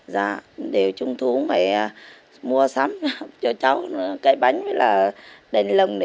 mà mẹ còn mua cả đèn lồng